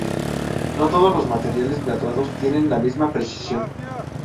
No todos los materiales graduados tiene la misma precisión.